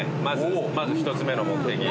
まず１つ目の目的